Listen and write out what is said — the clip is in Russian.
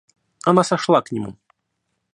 Она сошла к нему.